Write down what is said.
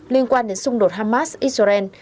liên quan đến xung đột hamas israel